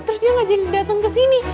terus dia gak jadi dateng ke sini